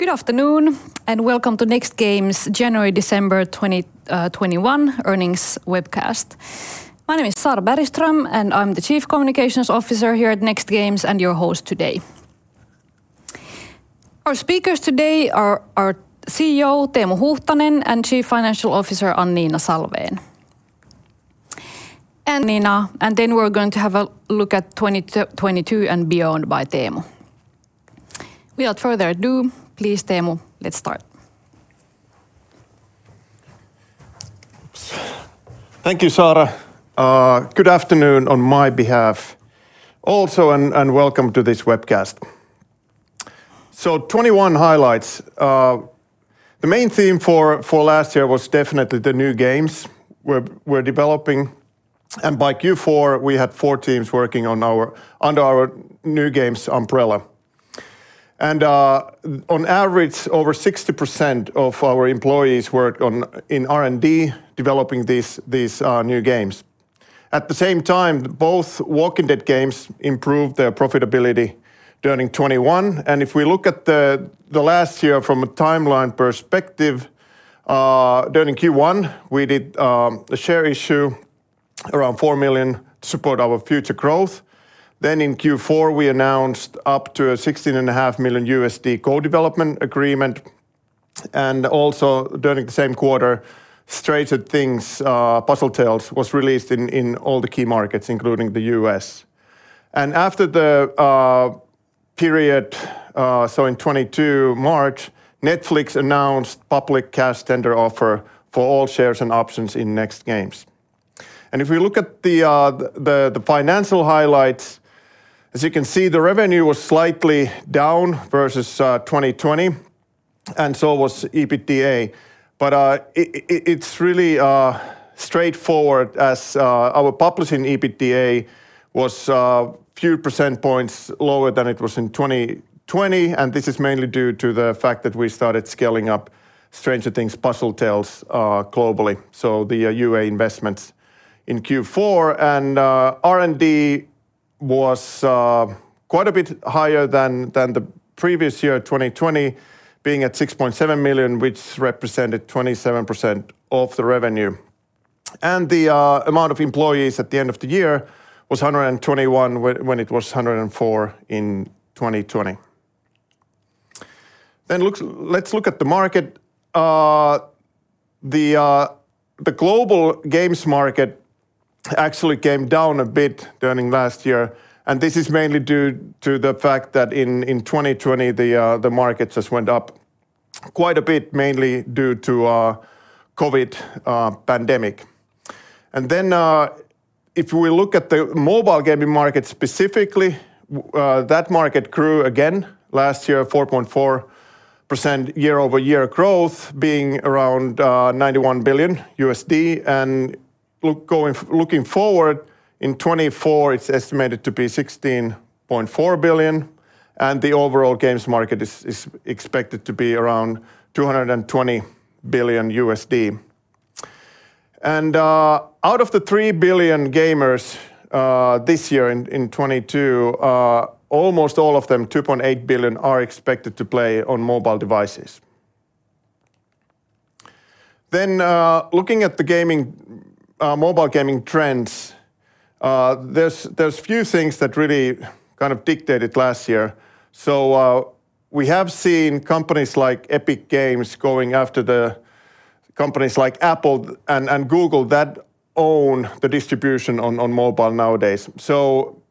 Good afternoon, and welcome to Next Games January-December 2021 earnings webcast. My name is Saara Bergström, and I'm the Chief Communications Officer here at Next Games and your host today. Our speakers today are our CEO, Teemu Huuhtanen and Chief Financial Officer Annina Salvén, and then we're going to have a look at 2022 and beyond by Teemu. Without further ado, please, Teemu, let's start. Thank you, Saara. Good afternoon on my behalf also and welcome to this webcast. 2021 highlights, The main theme for last year was definitely the New Games we're developing, and by Q4, we had four teams working on under our New Games umbrella. On average, over 60% of our employees worked in R&D developing these New Games. At the same time, both Walking Dead games improved their profitability during 2021. If we look at the last year from a timeline perspective, during Q1, we did a share issue around 4 million to support our future growth. In Q4, we announced up to $16.5 million co-development agreement. Also, during the same quarter, Stranger Things: Puzzle Tales was released in all the key markets, including the U.S. After the period, so 2022 in March, Netflix announced public cash tender offer for all shares and options in Next Games. If we look at the financial highlights, as you can see, the revenue was slightly down versus 2020, and so was EBITDA. It's really straightforward as our publishing EBITDA was a few percentage points lower than it was in 2020, and this is mainly due to the fact that we started scaling up Stranger Things: Puzzle Tales globally. The UA investments in Q4 and R&D was quite a bit higher than the previous year, 2020, being at 6.7 million, which represented 27% of the revenue. The amount of employees at the end of the year was 121 when it was 104 in 2020. Let's look at the market. The global games market actually came down a bit during last year, and this is mainly due to the fact that in 2020 the markets just went up quite a bit mainly due to COVID pandemic. If we look at the mobile gaming market specifically, that market grew again last year, 4.4% year-over-year growth being around $91 billion. Looking forward, in 2024, it's estimated to be $16.4 billion, and the overall games market is expected to be around $220 billion. Out of the 3 billion gamers this year in 2022, almost all of them, 2.8 billion, are expected to play on mobile devices. Looking at the mobile gaming trends, there's few things that really kind of dictated last year. We have seen companies like Epic Games going after the companies like Apple and Google that own the distribution on mobile nowadays.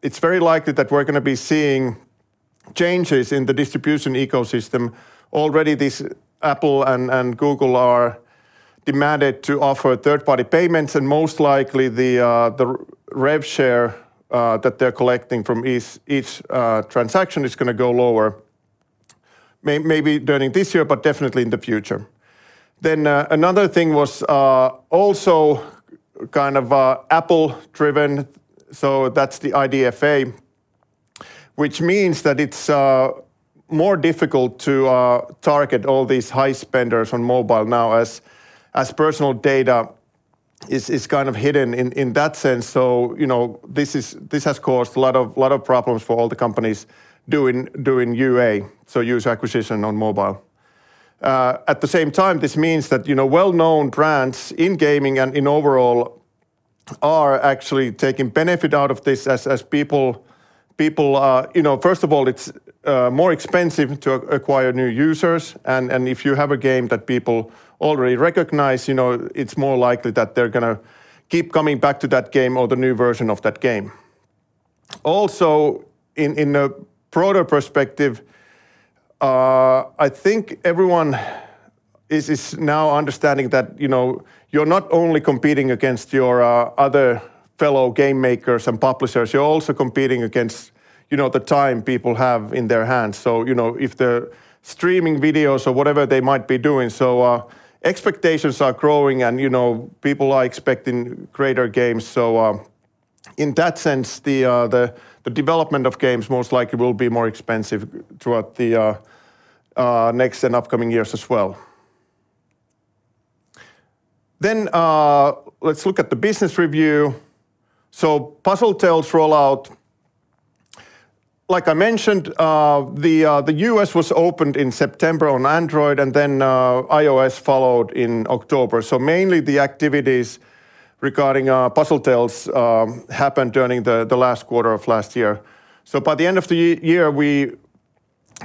It's very likely that we're gonna be seeing changes in the distribution ecosystem. Already, Apple and Google are demanded to offer third-party payments, and most likely the rev share that they're collecting from each transaction is gonna go lower, maybe during this year, but definitely in the future. Another thing was also kind of Apple-driven, so that's the IDFA, which means that it's more difficult to target all these high spenders on mobile now as personal data is kind of hidden in that sense. So, you know, this has caused a lot of problems for all the companies doing UA, so user acquisition on mobile. At the same time, this means that, you know, well-known brands in gaming and in overall are actually taking benefit out of this as people you know, first of all, it's more expensive to acquire new users. And if you have a game that people already recognize, you know, it's more likely that they're gonna keep coming back to that game or the new version of that game. Also, in a broader perspective, I think everyone is now understanding that, you know, you're not only competing against your other fellow game-makers and publishers, you're also competing against, you know, the time people have in their hands. You know, if they're streaming videos or whatever they might be doing. Expectations are growing, and, you know, people are expecting greater games. In that sense, the development of games most likely will be more expensive throughout the next and upcoming years as well. Let's look at the business review. Puzzle Tales rollout, like I mentioned, the U.S. was opened in September on Android, and then, iOS followed in October. Mainly the activities regarding Puzzle Tales happened during the last quarter of last year. By the end of the year, we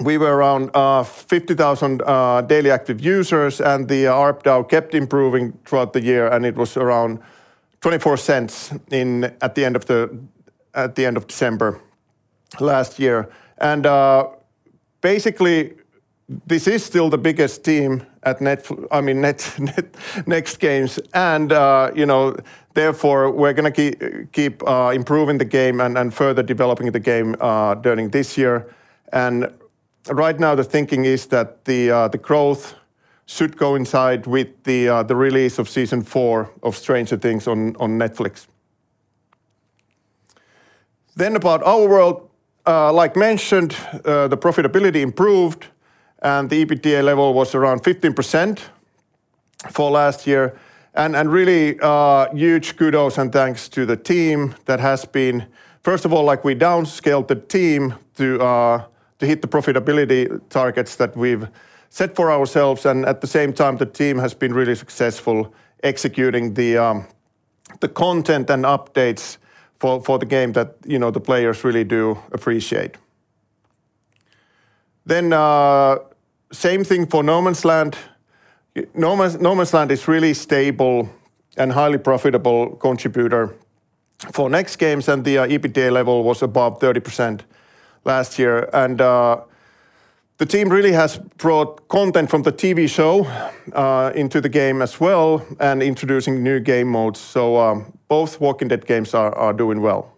were around 50,000 daily active users, and the ARPDAU kept improving throughout the year, and it was around $0.24 at the end of December last year. Basically, this is still the biggest team at Next Games. You know, therefore, we're gonna keep improving the game and further developing the game during this year. Right now the thinking is that the growth should coincide with the release of Season 4 of Stranger Things on Netflix. About Our World, like mentioned, the profitability improved, and the EBITDA level was around 15% for last year. Really, huge kudos and thanks to the team that has been. First of all, like, we down-scaled the team to hit the profitability targets that we've set for ourselves, and at the same time, the team has been really successful executing the content and updates for the game that, you know, the players really do appreciate. Same thing for No Man's Land. No Man's Land is really stable and highly profitable contributor for Next Games, and the EBITDA level was above 30% last year. The team really has brought content from the TV show into the game as well and introducing new game modes. Both Walking Dead games are doing well.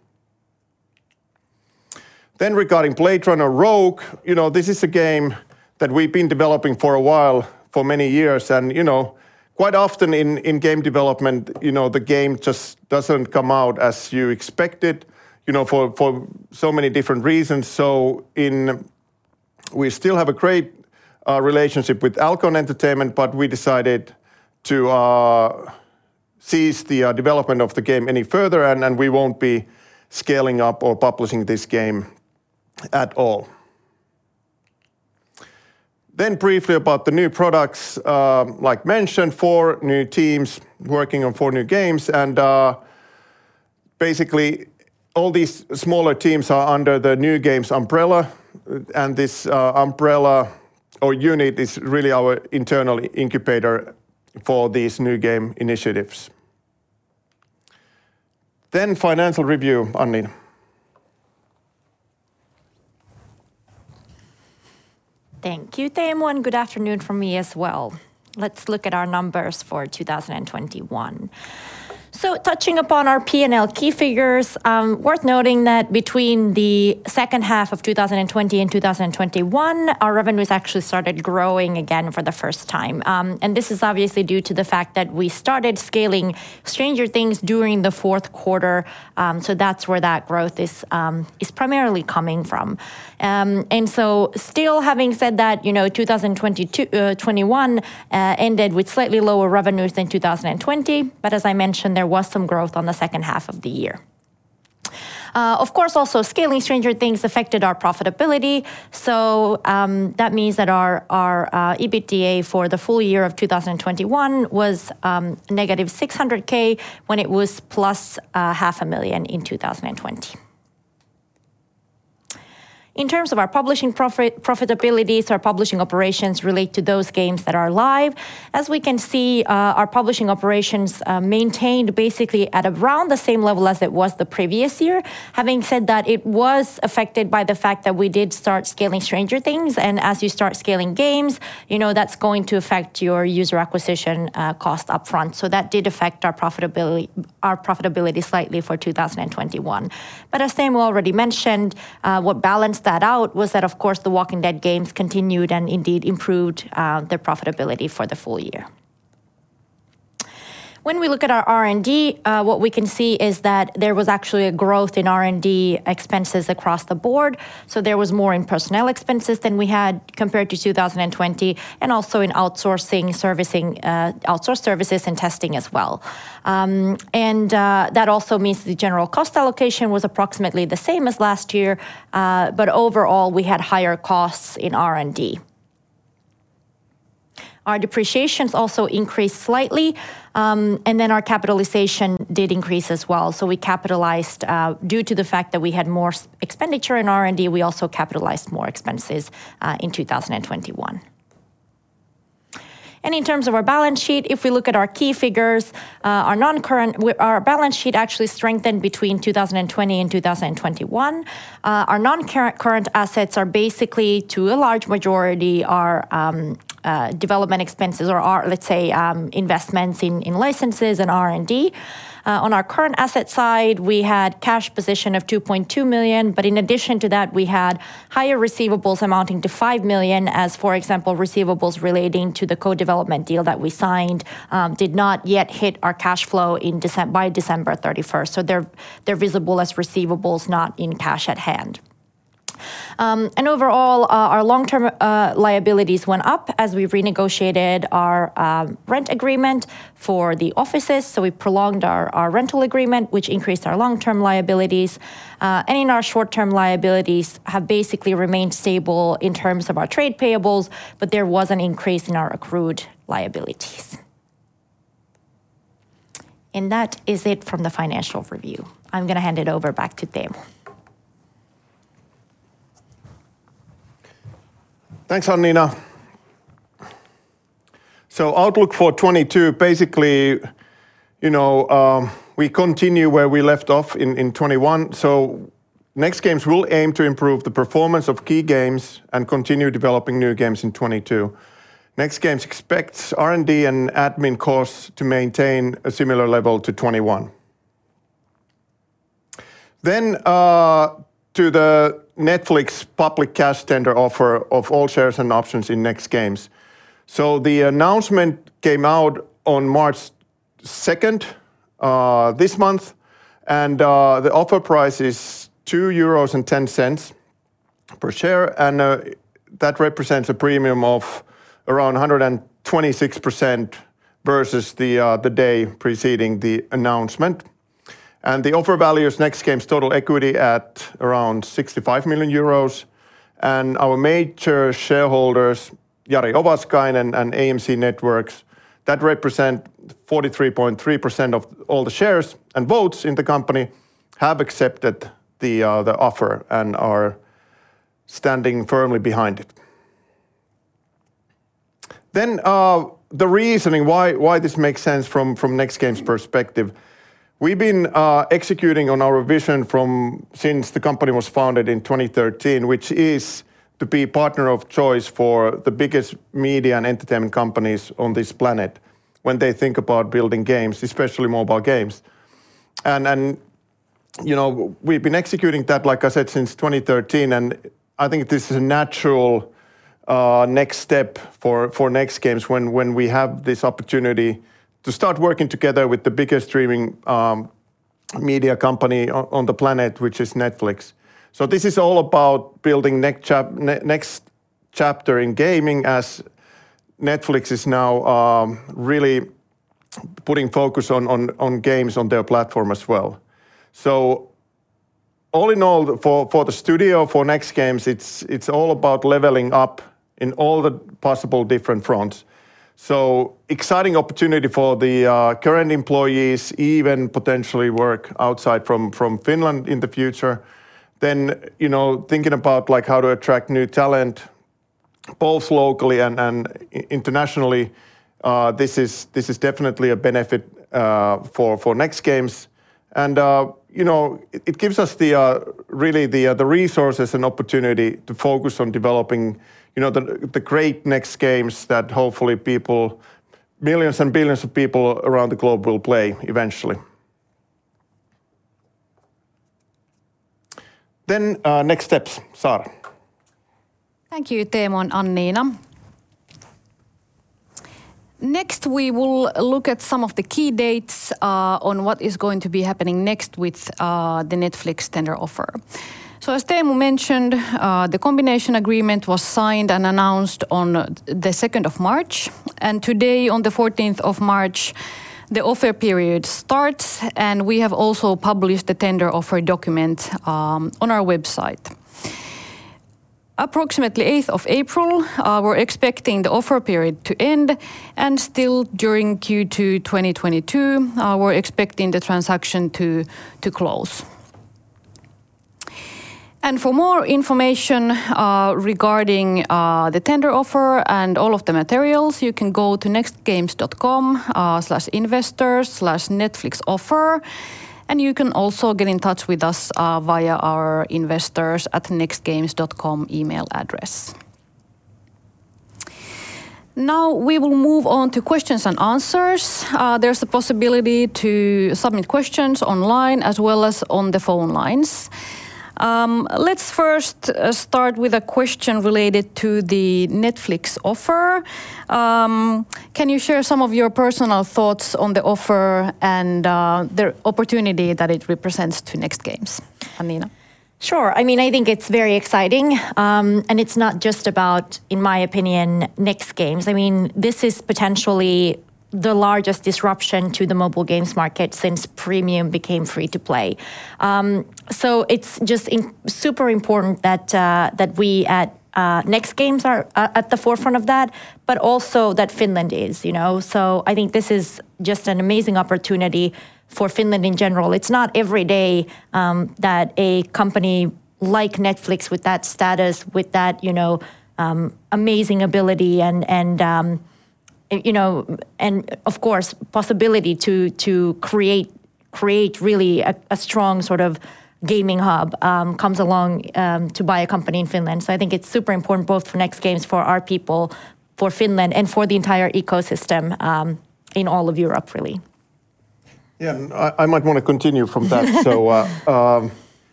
Regarding Blade Runner Rogue, you know, this is a game that we've been developing for a while, for many years. You know, quite often in game development, you know, the game just doesn't come out as you expected, you know, for so many different reasons. We still have a great relationship with Alcon Entertainment, but we decided to cease the development of the game any further, and we won't be scaling up or publishing this game at all. Briefly about the new products, like mentioned, four new teams working on four new games, and basically all these smaller teams are under the New Games umbrella, and this umbrella or unit is really our internal incubator for these new game initiatives. Financial review, Annina. Thank you, Teemu, and good afternoon from me as well. Let's look at our numbers for 2021. Touching upon our P&L key figures, worth noting that between the second half of 2020 and 2021, our revenues actually started growing again for the first time. This is obviously due to the fact that we started scaling Stranger Things during the fourth quarter, that's where that growth is primarily coming from. Still having said that, you know, 2021 ended with slightly lower revenues than 2020, but as I mentioned, there was some growth on the second half of the year. Of course, also scaling Stranger Things affected our profitability, so that means that our EBITDA for the full year of 2021 was -600,000 when it was +500,000 in 2020. In terms of our publishing profitability, our publishing operations relate to those games that are live. As we can see, our publishing operations maintained basically at around the same level as it was the previous year. Having said that, it was affected by the fact that we did start scaling Stranger Things, and as you start scaling games, you know that's going to affect your user acquisition cost upfront, so that did affect our profitability slightly for 2021. As Teemu already mentioned, what balanced that out was that, of course, The Walking Dead games continued and indeed improved their profitability for the full year. When we look at our R&D, what we can see is that there was actually a growth in R&D expenses across the board, so there was more in personnel expenses than we had compared to 2020, and also in outsourcing, servicing, outsourced services and testing as well. That also means the general cost allocation was approximately the same as last year, but overall, we had higher costs in R&D. Our depreciations also increased slightly, and then our capitalization did increase as well, so we capitalized, due to the fact that we had more expenditure in R&D, we also capitalized more expenses in 2021. In terms of our balance sheet, if we look at our key figures, our balance sheet actually strengthened between 2020 and 2021. Our non-current assets are basically to a large majority our development expenses or our, let's say, investments in licenses and R&D. On our current asset side, we had cash position of 2.2 million, but in addition to that, we had higher receivables amounting to 5 million, as, for example, receivables relating to the co-development deal that we signed did not yet hit our cash flow by December 31st, so they're visible as receivables, not in cash at hand. Overall, our long-term liabilities went up as we renegotiated our rent agreement for the offices. We prolonged our rental agreement, which increased our long-term liabilities. Our short-term liabilities have basically remained stable in terms of our trade payables, but there was an increase in our accrued liabilities. That is it from the financial review. I'm gonna hand it over back to Teemu. Thanks, Anniina. Outlook for 2022, basically, you know, we continue where we left off in 2021. Next Games will aim to improve the performance of key games and continue developing new games in 2022. Next Games expects R&D and admin costs to maintain a similar level to 2021. To the Netflix public cash tender offer of all shares and options in Next Games. The announcement came out on March 2nd, this month, and the offer price is 2.10 euros per share, and that represents a premium of around 126% versus the day preceding the announcemen and the offer value is Next Games total equity at around 65 million euros. Our major shareholders, Jari Ovaskainen and AMC Networks, that represent 43.3% of all the shares and votes in the company, have accepted the offer and are standing firmly behind it. The reasoning why this makes sense from Next Games perspective. We've been executing on our vision from since the company was founded in 2013, which is to be partner of choice for the biggest media and entertainment companies on this planet when they think about building games, especially mobile games. You know, we've been executing that, like I said, since 2013, and I think this is a natural next step for Next Games when we have this opportunity to start working together with the biggest streaming media company on the planet, which is Netflix. This is all about building next chapter in gaming as Netflix is now really putting focus on games on their platform as well. All in all, for the studio, for Next Games, it's all about leveling up in all the possible different fronts. Exciting opportunity for the current employees, even potentially work outside from Finland in the future. You know, thinking about, like, how to attract new talent both locally and internationally, this is definitely a benefit for Next Games. You know, it gives us really the resources and opportunity to focus on developing you know, the great Next Games that hopefully people, millions and billions of people around the globe will play eventually. Next steps. Saara. Thank you, Teemu and Annina. Next, we will look at some of the key dates on what is going to be happening next with the Netflix tender offer. As Teemu mentioned, the combination agreement was signed and announced on the 2nd the largest disruption to the mobile games market since premium became free to play. It's just super important that we at Next Games are at the forefront of that, but also that Finland is, you know. I think this is just an amazing opportunity for Finland in general. It's not every day that a company like Netflix with that status, with that, you know, amazing ability and, of course, possibility to create really a strong sort of gaming hub comes along to buy a company in Finland. I think it's super important both for Next Games, for our people, for Finland and for the entire ecosystem in all of Europe really. Yeah, I might want to continue from that.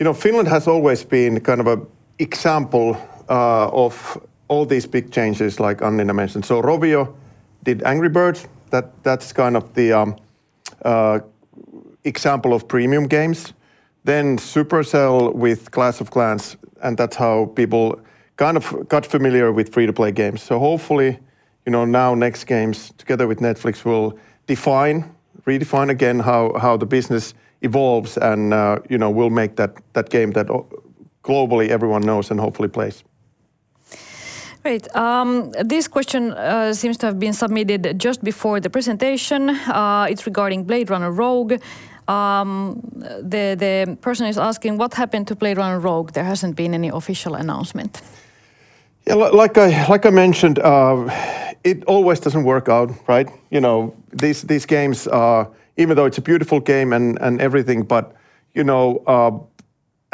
You know, Finland has always been kind of an example of all these big changes like Annina mentioned. Rovio did Angry Birds. That's kind of the example of premium games, then Supercell with Clash of Clans, and that's how people kind of got familiar with free-to-play games. Hopefully, you know, now Next Games together with Netflix will redefine again how the business evolves and, you know, will make that game that globally everyone knows and hopefully plays. Great. This question seems to have been submitted just before the presentation. It's regarding Blade Runner Rogue. The person is asking, what happened to Blade Runner Rogue? There hasn't been any official announcement. Yeah, like I mentioned, it always doesn't work out, right? You know, these games even though it's a beautiful game and everything, but, you know,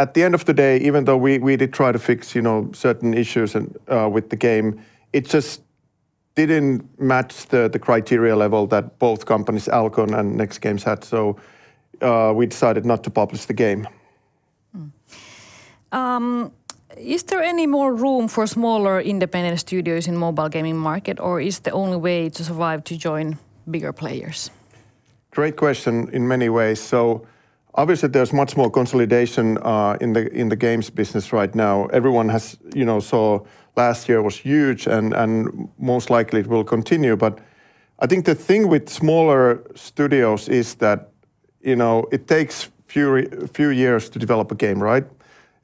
at the end of the day even though we did try to fix, you know, certain issues and with the game, it just didn't match the criteria level that both companies, Alcon and Next Games had, so, we decided not to publish the game. Is there any more room for smaller independent studios in mobile gaming market or is the only way to survive to join bigger players? Great question in many ways. Obviously, there's much more consolidation in the games business right now. Everyone has, you know, saw last year was huge and most likely it will continue. I think the thing with smaller studios is that, you know, it takes few years to develop a game, right?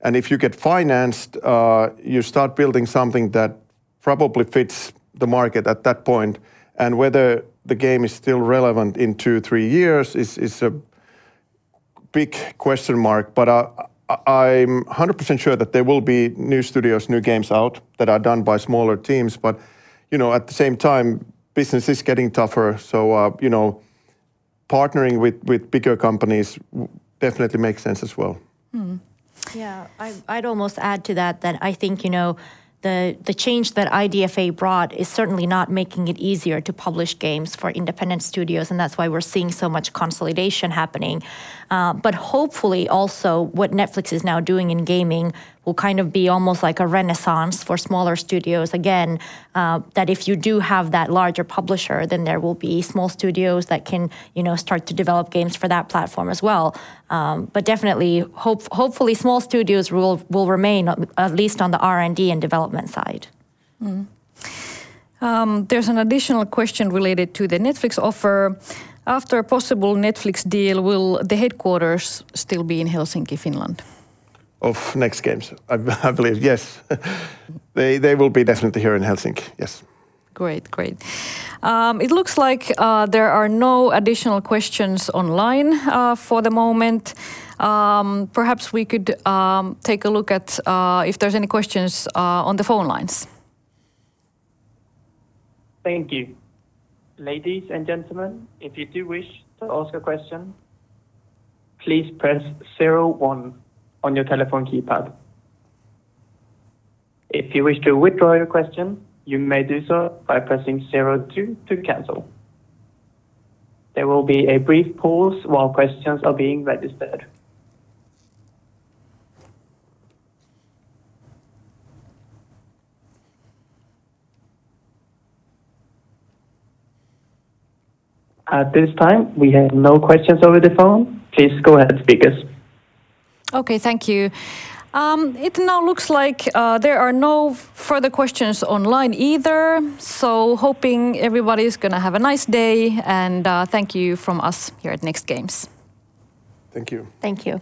If you get financed, you start building something that probably fits the market at that point and whether the game is still relevant in two, three years is a big question mark. I’m 100% sure that there will be new studios, new games out that are done by smaller teams. You know, at the same time, business is getting tougher, so you know, partnering with bigger companies definitely makes sense as well. Mm-hmm. I'd almost add to that I think, you know, the change that IDFA brought is certainly not making it easier to publish games for independent studios, and that's why we're seeing so much consolidation happening. Hopefully, also what Netflix is now doing in gaming will kind of be almost like a renaissance for smaller studios. Again, that if you do have that larger publisher, then there will be small studios that can, you know, start to develop games for that platform as well. Hopefully small studios will remain at least on the R&D and development side. There's an additional question related to the Netflix offer. After a possible Netflix deal will the headquarters still be in Helsinki, Finland? Of Next Games, I believe, yes. They will be definitely here in Helsinki, yes. Great. It looks like there are no additional questions online for the moment. Perhaps we could take a look at if there's any questions on the phone lines. Thank you. Ladies and gentlemen, if you do wish to ask a question, please press zero one on your telephone keypad. If you wish to withdraw your question, you may do so by pressing zero, two, to cancel. There will be a brief pause while questions are being registered. At this time, we have no questions over the phone. Please go ahead speakers. Okay. Thank you. It now looks like there are no further questions online either, so hoping everybody's gonna have a nice day, and thank you from us here at Next Games. Thank you. Thank you.